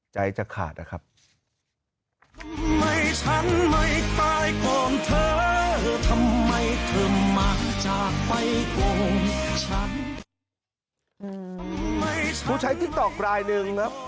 จะขาดนะครับ